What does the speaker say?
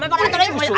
mày vào đây mày vào đây